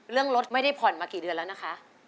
เรื่องรถไม่ได้ผ่อนมากี่เดือนแล้วนะคะ